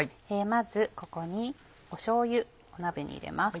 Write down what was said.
まずここにしょうゆ鍋に入れます。